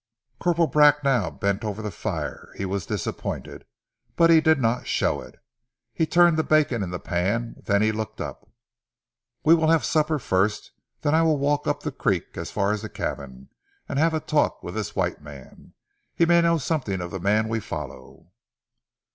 Corporal Bracknell bent over the fire. He was disappointed, but he did not show it. He turned the bacon in the pan then he looked up. "We will have supper first, then I will walk up the creek as far as the cabin, and have a talk with this white man. He may know something of the man we follow."